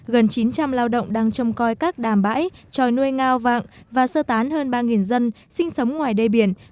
gần chín trăm linh lao động đang trông coi các đàm bãi tròi nuôi ngao vạng và sơ tán hơn ba dân sinh sống ngoài đê biển